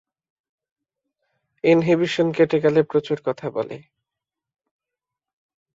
Inhibition কেটে গেলে প্রচুর কথা বলে।